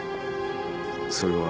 それは。